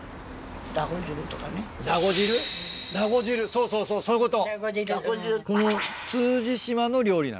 そうそうそうそういうこと。